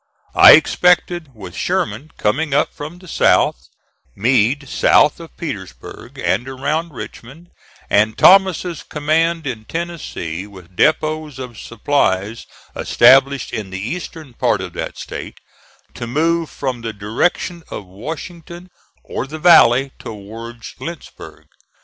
I expected, with Sherman coming up from the South, Meade south of Petersburg and around Richmond, and Thomas's command in Tennessee with depots of supplies established in the eastern part of that State, to move from the direction of Washington or the valley towards Lynchburg.